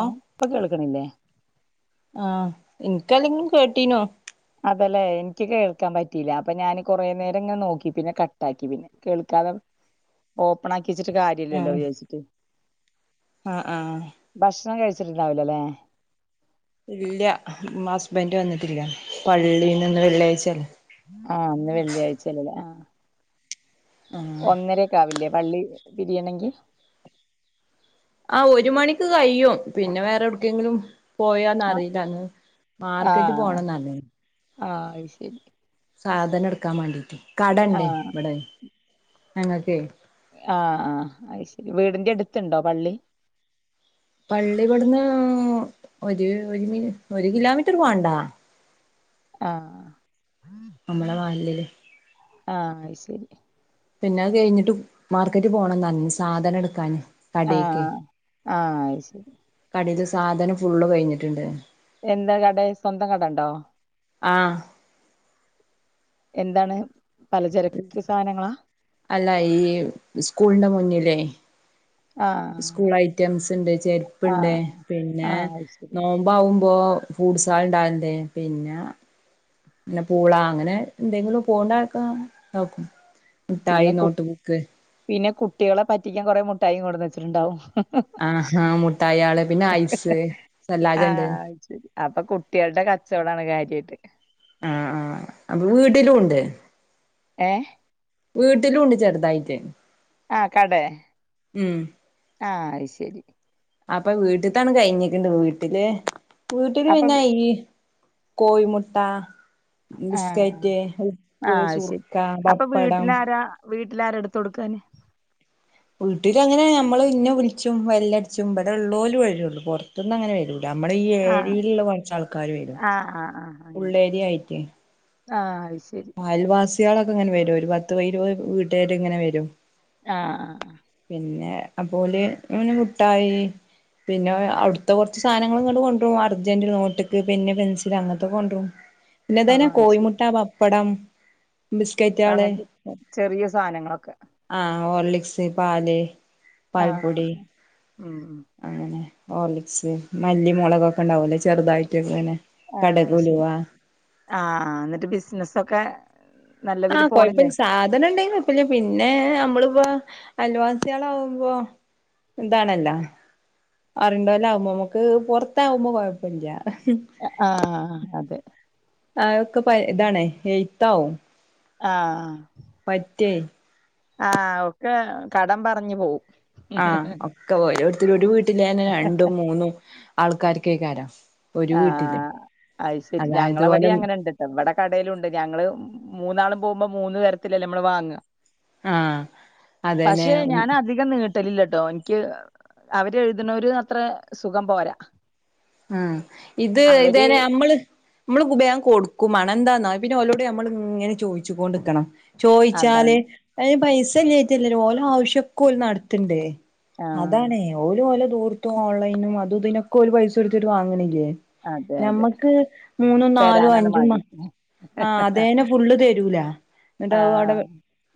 ഓ ഇപ്പൊ കേൾക്കണില്ലേ ആഹ് ഇന്ക്കല്ലെങ്കിലും കേട്ടീനു അതല്ലേ എനിക്ക് കേൾക്കാൻ പറ്റീല്ല അപ്പൊ ഞാന് കുറേ നേരം ഇങ്ങനെ നോക്കി പിന്നെ കട്ട് ആക്കി പിന്നെ കേൾക്കാതെ ഓപ്പൺ ആക്കി വെച്ചിട്ട് കാര്യല്ലല്ലോ വിചാരിച്ചിട്ട് ആഹ ആഹ ഭക്ഷണം കഴിച്ചിട്ടുണ്ടാവില്ലല്ലേ ഇല്ല ഹസ്ബൻഡ് വന്നിട്ടില്ല ആഹ് പള്ളീന്ന്ന്ന് വെള്ളിയാഴ്ചല്ലേ ആഹ് ഇന്ന് വെള്ളിയാഴ്ചല്ലല്ലേ ആ ആഹ് ഒന്നരക്കെ ആവില്ലേ പള്ളി പിരിയാണെങ്കി ആ ഒരു മണിക്ക് കയ്യും പിന്നെ വേറെ എവിടക്കെങ്കിലും ആഹ് പോയോന്നറില്ല അങ്ങ് മാർക്കറ്റിൽ പോണന്ന് പറഞ്ഞിരുന്ന് ആ അത് ശരി സാധനം എടുക്കാൻ വേണ്ടീട്ട് കട ഇണ്ടേ ആഹ് ഇവിടെ ഞങ്ങക്കെ ആ ആ അയ് ശരി വീടിൻറെ അടുത്തുണ്ടോ പള്ളി പള്ളി ഇവിടുന്ന് ഒരു ഒരുമിനി ഒരു കിലോമീറ്റർ പോണ്ടാ ആ നമ്മള [unintelligible] ആ അയ്ശരി പിന്നത് കയിഞ്ഞിട്ട് മാർക്കറ്റ് പോണം താനും സാധനം എടുക്കാന് ആ കടീക്ക് ആ അയ്ശരി കടയില് സാധനം ഫുള്ള് കഴിഞ്ഞിട്ടുണ്ട് എന്താ കട. സ്വന്തം കടണ്ടോ? ആഹ് എന്താണ് പലചരക്ക് സാധനങ്ങളാ അല്ല ഈ സ്കൂളിന്റെ മുന്നിലേ ആഹ് സ്കൂൾ ഐറ്റംസ് ഉണ്ട് ചെരുപ്പുണ്ട് ആഹ് പിന്നെ ആഹ് അത് ശരി നോ ആകുമ്പോ ഫൂഡ്സ് സാൽഡാണ്ടേ പിന്നാ പിന്നെ പൂള അങ്ങനെ എന്തെങ്കിലും പോകണ്ടക്കെ നോക്കും മുഠായി പിന്നെ കു നോട്ട് ബുക്ക് പിന്നെ കുട്ടികളെ പറ്റിക്കാൻ കൊറേ മുഠായിയും കൊണ്ടുവന്ന് വെച്ചിട്ടുണ്ടാവും ആ ഹാ മുഠായിയാള് പിന്നെ ഐസ് ഇതെല്ലാതുണ്ട് ആഹ് അത് ശരി അപ്പൊ കുട്ടിയാൾടെ കച്ചോടണ് കാര്യായിട്ട് ആഹ് ആ അപ്പൊ വീട്ടിലും ഉണ്ട് ഏഹ് വീട്ടിലുണ്ട് ചെറുതായിട്ട് ആഹ് കടെ ഉം ആഹ് അയ്ശെരി അപ്പൊ വീട്ടിത്താണ് കഴിഞ്ഞിക്കുണ്ട് വീട്ടില് വീട്ടില് അപ്പൊ പിന്നെയി കോഴിമുട്ട ആഹ് ബിസ്കറ്റ് ഉപ്പ് ആഹ് സുർക്ക പപ്പടം വീട്ടിലാര എടുത്തു കൊടുക്കാന് വീട്ടിൽ അങ്ങനെ നമ്മള് ഇന്നെ വിളിച്ചും ബെല്ലടിച്ചും ഇവിടെ ഉള്ളോരു വരൂള്ളു പുറത്തുന്ന് അങ്ങനെ വരു നമ്മുടെ ഈ ഏരിയിലുള്ള കുറച്ച് ആൾക്കാര് വരും ആ ആ ആ ഉള്ളേരിയ ആയിട്ടേ ആഹ് ആത് അയൽവാസികളൊക്കെ ഇങ്ങനെ വരും ഒരു പത്ത് ഇരുപത് വീട്ടുക്കാർ ഇങ്ങനെ വരും ആഹ് ആഹ് പിന്നെ അപോലെ, മിഠായി പിന്നെ അവിടുത്തെ കുറച്ച് സാധനങ്ങൾ ഇങ്ങണ്ട് കൊണ്ടരും അർജൻന്റ് നോട്ടിക്ക് പെൻ പെൻസിൽ അങ്ങനത്തൊക്കെ കൊണ്ടരും ആഹ് ആഹ് പിന്നെതന്നെ ആഹ് അത് ശരി കോഴിമുട്ട പപ്പടം ബിസ്കറ്റാള് അങ്ങനത്തെ ചെറിയ സാധനങ്ങളൊക്കെ ആഹ് ഹോർലിക്സ്, പാല്, ആഹ് പാൽപ്പൊടി ഉം ഉം അങ്ങനെ ഹോർലിക്സ് മല്ലി, മുളകൊക്കെ ഉണ്ടാവില്ലേ ചെറുതായിട്ടൊക്കെ അങ്ങനെ ആഹ് അയ് ശരി ആഹ് ന്നിട്ട് ബിസിനസ്സൊക്കെ ആഹ് കൊഴപ്പില്ല സാധനം ഉണ്ടേന്നു പിന്നെ നമ്മളിപ്പോ അൽവാസിയള് ആകുമ്പോ എന്താണല്ലാ അറിയേണ്ടല്ലോ ആകുമ്പോ നമുക്ക് പൊറത്തകുമ്പോ കൊഴപ്പല്ല ആഹ് അതെ അതൊക്കെ പഴേതാണ് എഴുത്താവും ആഹ് പറ്റ്യേ ആഹ് ഒക്കെ കടം പർഞ്ഞ് പോവും ആഹ് ഒക്കെ ഓരോര്ത്തര് ഒരു വീട്ടിലെന്നെ രണ്ടും മൂന്നും ആൾക്കാര്ക്കേക്കാരം ഒര് വീട്ടില് ആഹ് അതായത് ഓലെ എവിടെ കടേലുണ്ട് ഞങ്ങള് മൂന്നാളും പോവുമ്പോ മൂന്ന് തരത്തിലല്ലേ നമ്മള് വാങ്ങ ആഹ് അതന്നെ പക്ഷെ ഉം ഞാന് അധികം നീട്ട് ലില്ലട്ടോ ഇൻക്ക് അവര് എഴുതണോര് അത്ര സുഖംപോരാ ഉം ഇത് ഇതയ്ന് അമ്മള് നമ്മള് ബേഗം കൊടുക്കുംമാണം എന്താന്നോ പിന്നെ ഓലോട് ഞമ്മളിങ്ങനെ ചോയ്ച്ചുകോണ്ടിക്കണം ചോയ്ച്ചാല് അതാണ് അയ്ന് പൈസ ഇല്ലായിറ്റല്ലല്ലോ ഓലെ ആവശ്യക്കൊ ഓല് നടത്തന്ണ്ടേ ആഹ് അതാണേ ഓല് ഓലെ ദൂർത്തും ഓൺലൈനും അത് ഇതിനൊക്കെ ഓല് പൈസ കൊടുത്തിട്ട് വാങ്ങണില്ലേ അതെ അതെ നമ്മക്ക് മൂന്നും നാലും തരാനാണ് അഞ്ചും മ മടി ആ അതേന്നെ ഫുള്ള്തെരൂലാ ആ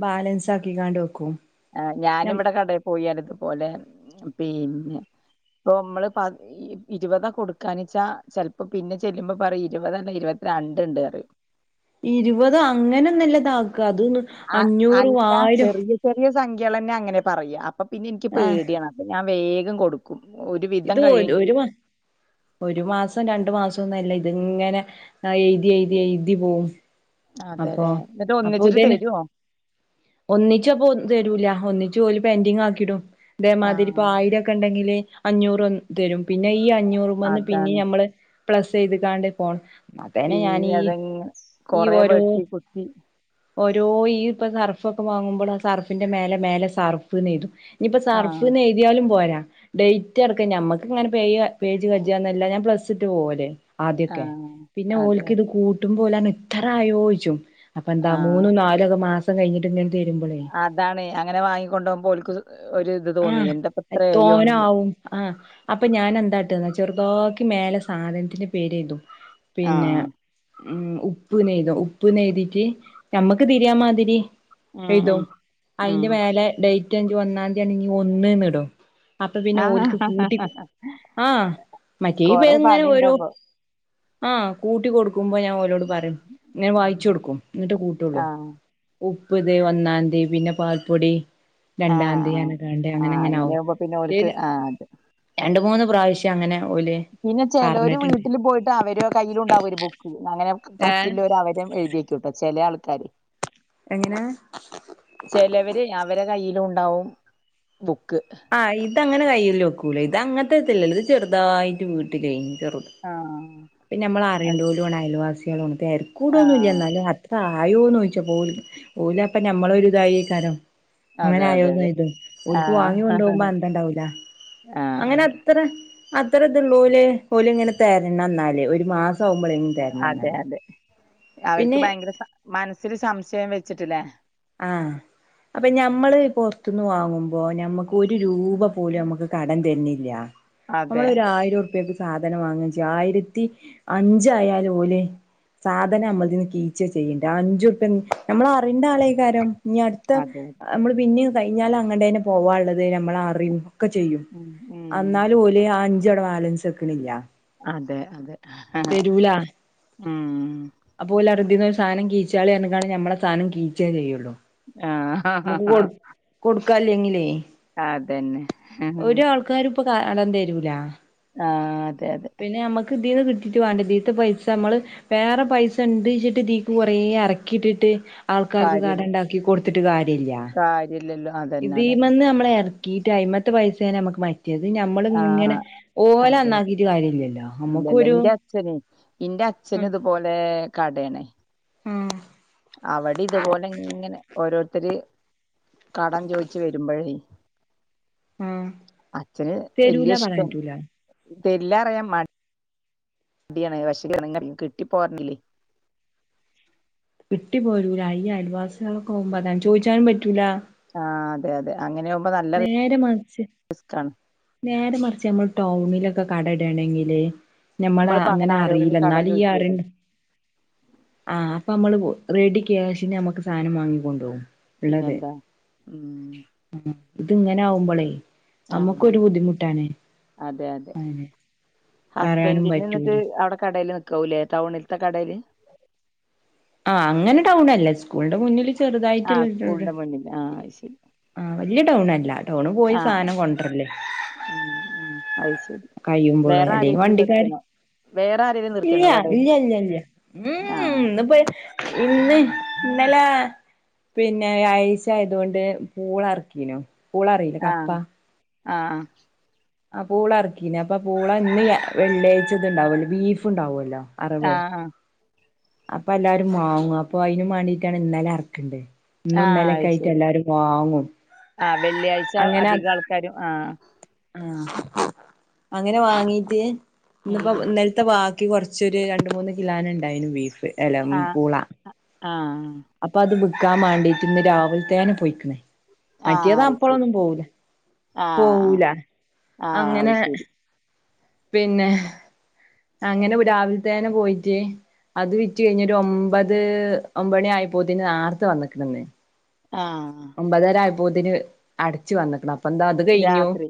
ബാലൻസാക്കികാണ്ട് വെക്കും ആ ഞം ഞാനിവിടെ കടേപോയാലിതുപോലെ പിന്നെ ഇപ്പൊ അമ്മള് പാ ഇരുപതാകൊടുക്കാനുച്ചാ ചെൽപ്പോ പിന്നെ ചെല്ലുമ്പോ പറേം ഇരുപതല്ല ഇരുപത്തിരണ്ടുണ്ടറയും ഇരുപതാ അങ്ങനൊന്നല്ലതാക്കാ അതൊന്ന് ആ അഞ്ഞൂറും അല്ല ആയിരോം ചെറിയ ചെറിയ സംഖ്യകളന്നെ അങ്ങനെയാ പറയാ അപ്പൊ പിന്നെ ആഹ് ഇൻക്ക്പേടിയാണ് അപ്പ ഞാൻ വേഗംകൊടുക്കും ഇത് ഒരു ഒരുമാ ഒരുമാസോ രണ്ടുമാസോന്നല്ലാ ഇതിങ്ങനെ ആ എഴ്തി എഴ്തി എഴ്തി പോവും അപ്പൊ അതെയതെ എന്നിട്ട് അപ്പൊ ഇതന്നെ ഒന്നിച്ചൊരുതെരൊ ഒന്നിച്ചപ്പൊ തെരൂല ഒന്നിച്ച് ഓല് പെൻഡിങ്ങാക്കിയിടും ഇതേമാതിരി ആഹ് ഇപ്പായിരം ഒണ്ടെങ്കില് അഞ്ഞൂറൊന്ന് തെരും പിന്നെ ഈ അഞ്ഞൂറുമ്മേന്ന് പിന്നേം അതാണ് ഞമ്മള് പ്ലസ്സെയ്തിക്കാണ്ട് പോണം അതന്നെ പിന്നെ ഞാനീ അതങ്ങ് ഈ കൊറെ ഓരോ വെട്ടി കുത്തി ഓരോ ഈ ഇപ്പൊ സർഫൊക്കെ വാങ്ങുമ്പള് ആ സർഫിന്റെ മേലെ മേലെ സർഫെന്നെയ്തും ഇനിയിപ്പൊ ആഹ് സർഫെന്ന് എഴുതിയാലും പോരാ ഡേയ്റ്റടക്കം ഞമ്മക്കിങ്ങനെ പേയ് പേജ് കജ്ജാന്നല്ലാതെ ഞാൻ പ്ലസ്സിട്ട് പോവല്ലേ ആദ്യോക്കെ ആഹ് പിന്നെ അതെ ഓൽക്കിത് കൂട്ടുമ്പോ ഓലാർഞ്ഞു ഇത്രായായോച്ചും അപ്പെന്താ ആഹ് മൂന്നും നാലും ഒക്കെ മാസം കഴിഞ്ഞിട്ടിങ്ങനെ തെരുമ്പളേ അതാണ് അങ്ങനെ വാങ്ങിക്കൊണ്ടോവുമ്പോ ഓൽക്കൊസു ഒരു ഇത് തോന്നി എന്തപ്പ ഇത്രെ കയ്യോന്നല്ലേ ആ അപ്പ ഞാനെന്താട്ടെന്നാ ചെറുതാക്കി മേലെ സാദനത്തിന്റെ പേരെയുതും പിന്നെ ആഹ് ഉം ഉപ്പുന്നെയ്തും ഉപ്പുന്നെയ്തീട്ട് ഞമ്മക്ക് തിരിയാമാതിരി ഉം എഴുതും ഉം ഉം അയ്ന്റെമേലെ ഡേയ്റ്റെങ്കി ഒന്നാന്തിയാണെങ്കി ഒന്നെന്ന് ഇടും അപ്പൊപിന്നെ ആഹ് ഓൽക്ക് കൂട്ടി ആ മറ്റേ കൊറെ പെയിങ്ങനെയോരോ പണിണ്ടപ്പൊ ആ കൂട്ടികൊടുക്കുമ്പോ ഞാൻ ഓലോട് ഉം പറേം ഇങ്ങനെ ഉം വായിച്ചൊടുക്കും എന്നിട്ടെ കൂട്ടുവൊള്ളൂ ആഹ് ഉപ്പു ദേ ഒന്നാന്തി പിന്നെ പാൽപ്പൊടി രണ്ടാന്തി ആഹ് അങ്ങനെ ആഹ് അങ്ങനെയിങ്ങനെയാവും അങ്ങനെയാവുമ്പോ ഓൽക്ക് പിന്നെ ആഹ് അത് രണ്ടു മൂന്നുപ്രാവശ്യം അങ്ങനെ ഓല് പിന്നെ ചെലോര് പറഞ്ഞിട്ടുണ്ട് വീട്ടിലുപോയിട്ട് അവരെ കയ്യിലുണ്ടാവും ഒരുബുക്ക് അങ്ങനെ ഏഹ് പറ്റില്ലൊര് അവരും എഴുതിവെക്കുട്ടോ ചെല ആൾക്കാര് എങ്ങനെ ചെലവരെ അവരെ കയ്യിലുണ്ടാവും ബുക്ക് ആ ഇതങ്ങനെ കയ്യില് വെക്കൂലാ ഇത് അങ്ങനത്തെതല്ലല്ലോ ഇത് ചെറുതായിട്ട് വീട്ടിലെ ചെറുത് ആ പിന്നെയമ്മള് അറിയണ്ടോലുവാണ് അയൽവാസികളുവാണ് തെരക്കൂടൊന്നുവില്ല ആഹ് എന്നാലും അത് ആയോന്നോയ്ച്ചപ്പോല് ഓല് അപ്പ ഞമ്മളൊരുതായേകാരം അതെ അതെ അതെ അങ്ങനെയായോന്നെയ്തും ഓൽക്ക് വാങ്ങി ആഹ് കൊണ്ടോവുമ്പോ അന്തോണ്ടാവൂല അങ്ങനെ ആഹ് അത്ര അത്രയിതൊള്ളോല് ഓലിങ്ങനെ തെരണം എന്നാല് ഒരു മാസാവുമ്പളെങ്കി അതെ അതെ അവർക്ക് ഭയങ്കര സ മനസ്സില് സംശയം വെച്ചിട്ടല്ലേ ആ അപ്പൊഞമ്മള് പൊറത്തുന്നുവാങ്ങുമ്പോ ഞമ്മക് ഒര് രൂപപോലും അമ്മക്ക് കടം തെര്ണില്ല അതെ അമ്മള് അതെ ഒരായ് ആയിരുപ്യക്ക് സാധനംവാങ്ങുചെയ്യ് ആയിരത്തിഅഞ്ചായാലും ഓല്. സാധനം അമ്മള്തീന്ന് കീച്ച ചെയ്യേണ്ട് ആ അഞ്ചുർപ്യ ഞമ്മളറിയണ്ട കരം ഇഞ്ഞി അട്ത്ത അതെ അമ്മള് പിന്നിം കഴിഞ്ഞാലും അങ്ങട്ടെന്നെ പോവാള്ളത് ഞമ്മള് അറിം. ഒക്കെചെയ്യും ഉം ഉം അന്നാലുംഓല് ആ അഞ്ചവുടെ ബാലെൻസ് വെക്ക്ണില്ല. അതെ, അതെ ഉം അപ്പോല്അറിം ഇ‌തീന്ന് ഒരു സാധനം കീച്ചാളിർഞ്ക്കാണ്ട് ഞമ്മെളെ സാധനം കീച്ചേ ചെയ്യൊള്ളൂ. ആഹ് അമ്മക്ക് കൊട് കൊടുക്കല്ലെങ്കിലേ അതന്നെ ഒരാൾ ക്കാരുഇപ്പൊ കടംതെരൂല. ആഹ് അതെ അതെ പിന്നെ അമ്മക്ക് ഇതീന്ന് കിട്ടിയിട്ട് വാണ്ടെ ഇതീത്തെ പൈസ അമ്മള്. വേറെ പൈസ ഇണ്ട്ച്ചിട്ട് ഇതീക്ക് കൊറെ എർക്കിട്ട്ട്ട്. ആൾക്കാർക്ക് കാര്യല് കടഇണ്ടാക്കി കൊടുത്തിട്ട് കാര്യല്ല. കാര്യല്ലല്ലോ? അതന്നെ അതന്നെ ഇതീമെന്ന് ഞമ്മള് എർക്കീട്ട് അയ്മത്തെ പൈസേണ് അമ്മക്ക് മയ് മറ്റെത് ഞമ്മള് ഇങ്ങനെ ആഹ് ഓലെ അതെ അതെ നന്നാക്കീട്ട് കാര്യല്ലല്ലോ ഇല്ലല്ല ഞമ്മക്കൊരു. ഇന്റെ അച്ഛനെ ഇന്റെ അച്ഛന് ഇതുപോലെകടേണ്. ഉം അവടിം ഇതുപോലെ ഇങ്ങനെ ഓരോരുത്തർ കടംചോയ്ച്ച് വെരുമ്പഴേ. ആഹ് അച്ഛന് തരൂല വെല്ല്യ പറയാൻ ഇഷ്ട്ടം പറ്റൂല തെരില്ലഅറിയാൻ മ ടിയാണ് പശെ കിട്ടി പോരണെങ്കില് കിട്ടിപോരൂല ഈ അയൽവാസികളൊക്കെ ആവുമ്പോ അതാണ് ചോയ്ച്ചാനും പറ്റൂല. ആഹ് അതെ, അതെ അങ്ങനെയാവുമ്പോ ന്നല്ലെ റിസ് ക്കാണ്. ന്നേരെ മറിച്ച് ഞമ്മൾ ടൗണിലൊക്കെ കടഇടയാണെങ്കില്. നമ്മളിപ്പോ അങ്ങനെ ഞമ്മളെഅങ്ങനെ അറീല. ആരോടെങ്കിലും കടം ഇന്നാലും ഈ ചോദിച്ചു അറി വരും ആഹ് അപ്പൊഅമ്മള് റെഡി ക്യാഷിന് ഞമ്മക്ക് സാധനം വാങ്ങിക്കൊണ്ട് പോകും. പിന്നെന്താ ഉം ഇത് ഇങ്ങനെ ആവുമ്പളെയ്. ആഹ് ന്നമ്മുക്കൊരു ബുദ്ധിമുട്ടാണ് അയെന്നെ. ഹസ്ബെന്റിന്. ഇന്നട്ട് ഔടെ കടേല് നിക്കാവൂലേ ടൗണിൽത്തെ കടേല്? ആഹ് അങ്ങനെ ടൗണല്ല സ്കൂളിന്റെ മുന്നിൽ ആഹ് ചെറുതായിട്ടുള്ളൊരു. സ്കൂളിന്റെ മുന്നിൽ [inaudible] ആഹ് വല്ല്യാ ടൗൺല്ല ടൗണ് പോയി സാനം കൊണ്ട്ർല്. ആഹ്, ആഹ് കഴിയുമ്പള് അല്ലെയ് വണ്ടിക്കാര്. നിർത്തിയണോ വേറെ ആരെങ്കിലും ഇല്ല നിർത്തിയണോ കടേല് ഇല്ല ഇല്ല ഇല്ല ഉം ഹ് ആഹ് ഇന്ന്പ്പോ ഇന്ന് ഇന്നലാ പിന്നെ വ്യാഴയ്ച്ച ആയതോണ്ട് പൂള അർക്കീനു. ആഹ്, ആഹ് ആഹ് പൂള അർക്കീനി അപ്പൊപൂള ഇന്ന് വെള്ളിയാഴ്ച്ച ഇത് ഇണ്ടാവോലോ ബീഫ് ഇണ്ടാവോലോ? ആഹ്, അഹാ അപ്പഎല്ലാരും വാങ്ങും അപ്പൊഅയ്നും മാണ്ടീയിട്ടാണ് ഇന്നലെ അർക്ക്ണ്ട്. ഇന്നും ആഹ് ഇന്നലി അത് ഒക്കായിട്ട് ശരി എല്ലാരും വാങ്ങും. ആഹ് വെള്ളിയാഴ്ച അങ്ങനെ അധികം ആൾക്കാരും ആഹ് ആഹ് അങ്ങനെ വാങ്ങീട്ട്. ഉം ഇന്നിപ്പോ ഉം ഇന്നെൽ ത്ത വാക്കി കൊർച്ചൊരു രണ്ട്, മൂന്ന് കിലാന് ഇണ്ടായിന് ബീഫ് ആഹ് എല്ലപൂള. ആഹ് അപ്പൊ അത് ബിക്കാൻ മാണ്ടിറ്റ് ഇന്ന് രാവിൽത്തേനെ പോയ്ക്ക്ണ്. ആഹ് മറ്റേത് അത് ശരി അപ്പളൊന്നും പോവൂല, ആഹ് പോവൂല ആഹ് ആഹ് അത് അങ്ങനെ ശരി പിന്നെ അങ്ങനെ രാവിൽത്തേന്നെ പോയിറ്റ്. അത് വിറ്റ് കഴിഞ്ഞ് ഒരു ഒമ്പത് ഒമ്പണി ആയിപ്പോതിന് നാർത്തെ വന്ന്ക്ക്ണ്ന്ന്. ആഹ്. ഒമ്പതരയപ്പോത്ത്ന് അട്ച്ച് വന്ന്ക്ക്ണ്. അപ്പൊന്താ അത് കയ്ഞ്ഞു. രാത്രി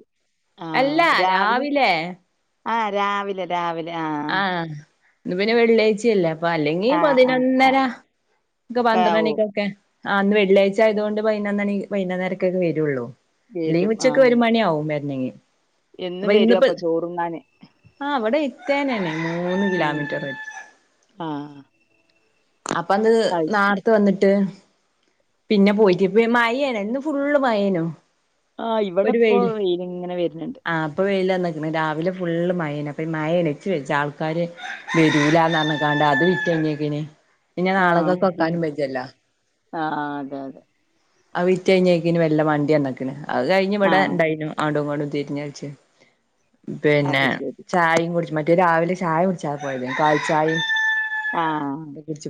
അല്ല. രാവിലെ. ആഹ് രാവിലെ രാവിലെ ആഹ്. ഇന്ന് പിന്നെ വെള്ള്യായ്ചല്ലെ അല്ലെപ്പൊ. അല്ലെങ്കി ആഹ് പതിനൊന്നര ആഹ് ഇക്ക ആഹ് പന്ത്രണ്ടണിക്കൊക്കെ. ആഹ്. ന്ന് വെള്ള്യയ്ച്ചായ്തോണ്ട് പയ്നൊന്നണി പയ്നൊന്നരക്കൊക്കെ വെരൊള്ളൂ. ല്ലി വരും ഉച്ചക്ക് ആഹ് ഒരു മണി ആവും മെര്ന്നെങ്ങി. എന്നും വരോ അപ്പൊ ചോറുന്നാന്? ആഹ് വടെ ഇര്ത്തേനന്നെ. ഉം. ആഹ്. പ്പന്ന് നാർത്തെ വന്നിട്ട്. പിന്നെ പോയിറ്റ്പ്പി മഴേന്. ന്ന് ഫുള്ള് മഴേനു. ആഹ് ഇവടെപ്പോ വെയ്ല്ങ്ങനെ വര്ന്ണ്ട്. ഇപ്പ വെയിലെന്ന്ക്ക്ണ്. രാവിലെ ഇപ്പൊ വെയിലന്നിക്കിണ് രാവിലെ ഫുള്ള് മയേന്. അപ്പ ഈ മയേല്ലെ ഇച്ച് വെജ്ജ. ആൾക്കാര് വരൂലാന്ന് പറ. കാണ്ട അത് വിറ്റെയ്ഞ്ഞേക്ക്ന്. ആഹ് ആഹ് അതെ അതെ. അത് വിറ്റെയ്ഞ്ഞേക്ക്ന് വെല്ലെ മണ്ട്യന്ന്ക്ക്ണ്. അ കഴിഞ്ഞ് ആ വടെ ഇണ്ടായിനു. ആടുംങ്ങടും തിരിഞ്ഞൾച്ച്. പിന്നെ അത് ശരി ചായിം കുടിച്ച്. മറ്റേ രാവിലെ ചായുട്ച്ചാ പോയെതെയ്. പാൽച്ചായിം. ആഹ്.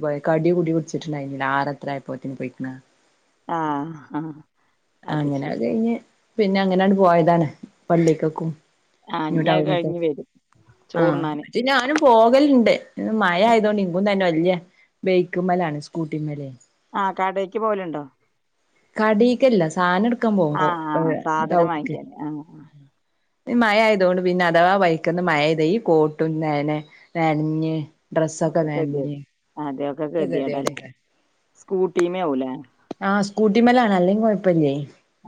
പോയ. കടി കൂട്ടി കുടിച്ചിട്ടുണ്ടായില്ല. ആറ്ത്രയപ്പോത്തിന് പോയിക്ക്ണ്. ആഹ് ആഹ്. അങ്ങനെ കഴിഞ്ഞ് പിന്നെ അങ്ങനണ് പോയതാണ് പള്ളിക്കക്കും. ആ ഇനി അത് കഴിഞ്ഞ് [unintelligible] വരും ചോറുണ്ണാന് ആഹ് ഞാനും പോകല്ണ്ട് ഇന്ന് മയായതോണ്ട് ഇൻക്കും തന്നെ വല്ല്യ. ബേക്ക്മ്മലാണ്. സ്കൂട്ടിമ്മല് ആഹ് കടേയ്ക്ക് പോല്ണ്ടോ? കടീക്കല്ല. സാനട്ക്കാൻ ആ പോവുമ്പോ. ആ സാധനം വാങ്ങിക്കാന് ആ [unintelligible] മയായതോണ്ട് പിന്നെ അഥവാ വൈക്കന്ന് മയെയ്ത ഈ കോട്ടുന്നേനെ നെൻഞ്ഞ് ഡ്രെസ്സൊക്കെ ഒക്കെ ഗതികേട് നൻഞ്ഞ് അതെ ഒക്കെ ക്ക ഗതികേടല്ലേ കെതിയേട. സ്കൂട്ടിമേ ആവൂല്ലേ? ആഹ്. സ്കൂട്ടിമ്മലാണ്. അല്ലെങ്കി കൊഴ്പ്പല്യ.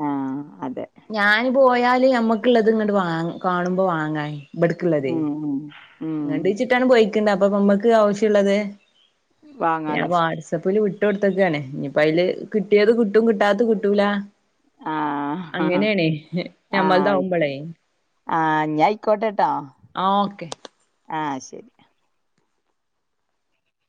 ആഹ് അതെ. ഞാന് പോയാല് ഞമ്മക്ക്ള്ളത് ഇങ്ങട്ട് വാ കാണുമ്പോ വാങ്ങാന്. ഉം ഉം. [unintelligible] പൊയ്ക്ക്ണ്ട്. അപ്പൊ മമ്മക്ക് ആവശ്യള്ളത് ഞാൻ വാങ്ങാലോ വാട്സപ്പില് വി ട്ടൊട്ത്ത്ക്കാണ്. ഞ്ഞിപ്പയില് കിട്ട്യേത് കിട്ടും കിട്ടാത്ത കിട്ടൂല. ആ ആ അങ്ങനേണെ. ആ ഞമ്മൾതാവുമ്പൊളേ. അയ്ക്കോട്ടെട്ടോ. ആഹ്. ശരി.